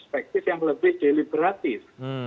perspektif yang lebih deliberatif